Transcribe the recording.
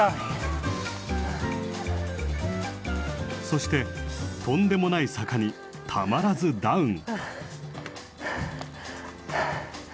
そしてとんでもない坂にたまらずダウン！